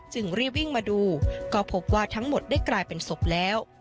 จึงรีบวิ่งมาดูก็พบว่าทั้งหมดได้กลายเป็นศพแล้ว